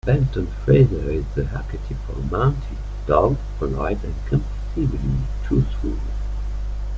Benton Fraser is the archetypal Mountie: dogged, polite, and compulsively truthful.